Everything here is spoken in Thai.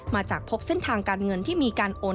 จากพบเส้นทางการเงินที่มีการโอน